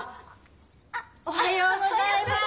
あおはようございます。